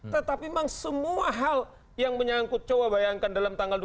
tetapi memang semua hal yang menyangkut coba bayangkan dalam tanggal dua puluh